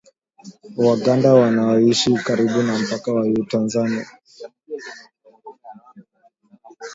Waganda wanaoishi karibu na mpaka wa Tanzania